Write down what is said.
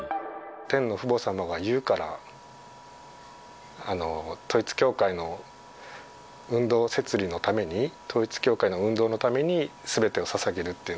天の父母様が言うから、統一教会の運動摂理のために、統一教会の運動のために、すべてをささげるっていう。